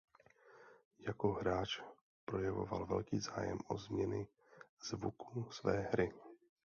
Jako hráč projevoval velký zájem o změny zvuku své hry.